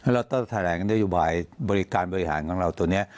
แล้วต้นแทนแหลงได้อยู่บ่ายบริการบริหารของเราตัวนี้